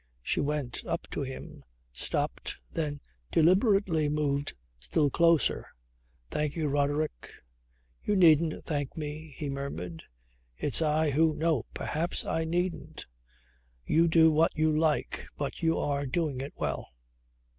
She went up to him, stopped, then deliberately moved still closer. "Thank you, Roderick." "You needn't thank me," he murmured. "It's I who ..." "No, perhaps I needn't. You do what you like. But you are doing it well."